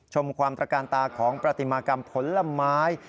ชมความตระการตาของประติมากรรมผลไม้